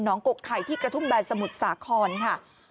น้องกกไข่ที่กระทุ่มแบนสมุดสากคอนค่ะ